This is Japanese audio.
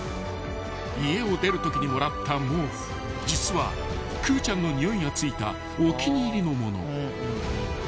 ［家を出るときにもらった毛布実はくーちゃんのにおいが付いたお気に入りの物］